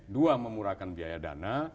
dua memurahkan biaya dana